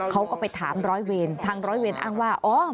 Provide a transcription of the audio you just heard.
เขาก็ไปถามร้อยเวรทางร้อยเวรอ้างว่า